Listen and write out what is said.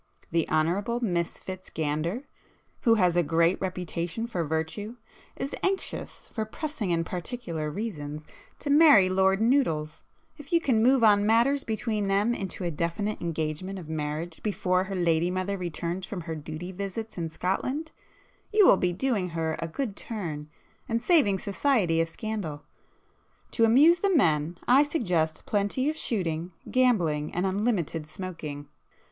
The Honourable Miss Fitz Gander who has a great reputation for virtue, is anxious, for pressing and particular reasons, to marry Lord Noodles,—if you can move on matters between them into a definite engagement of marriage before her lady mother returns from her duty visits in Scotland, you will be doing her a good turn, and saving society a scandal. To amuse the men I suggest plenty of shooting, gambling, and unlimited smoking.